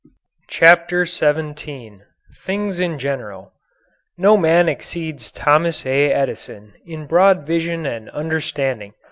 CHAPTER XVII THINGS IN GENERAL No man exceeds Thomas A. Edison in broad vision and understanding.